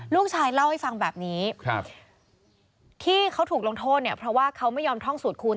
ลูกชายเล่าให้ฟังแบบนี้ที่เขาถูกลงโทษเนี่ยเพราะว่าเขาไม่ยอมท่องสูตรคูณ